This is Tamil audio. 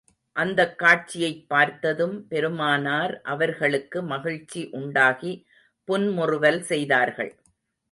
அந்தக் காட்சியைப் பார்த்ததும் பெருமானார் அவர்களுக்கு மகிழ்ச்சி உண்டாகி, புன்முறுவல் செய்தார்கள்.